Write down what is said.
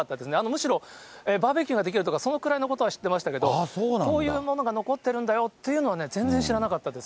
むしろ、バーベキューができるとか、そのくらいのことは知ってましたけど、こういうものが残ってるんだよっていうのは、全然知らなかったです。